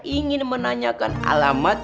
ingin menanyakan alamat